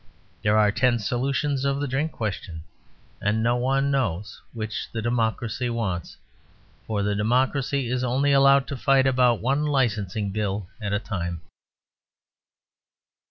There are ten solutions of the drink question; and no one knows which the democracy wants; for the democracy is only allowed to fight about one Licensing Bill at a time.